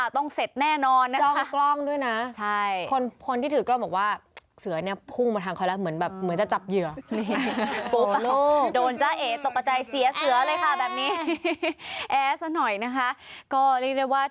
ต้องเสร็จแน่นอนนะคะ